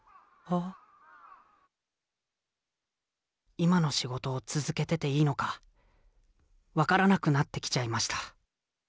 今の仕事を続けてていいのか分からなくなってきちゃいました。